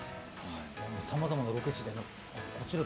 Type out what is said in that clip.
さまざまなロケ地で。